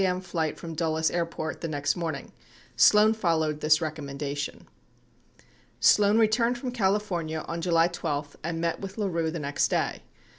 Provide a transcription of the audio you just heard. m. flight from Dulles Airport the next morning. Sloan followed this rec ommendation. 82 Sloan returned from California on July 12 and met with LaRue the next day.